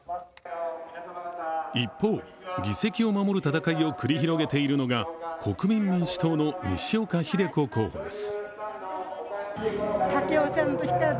一方、議席を守る戦いを繰り広げているのが国民民主党の西岡秀子候補です。